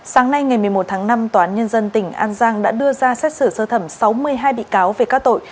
sáng nay ngày một mươi một tháng năm tòa án nhân dân tỉnh an giang đã đưa ra xét xử sơ thẩm sáu mươi hai bị cáo về các tội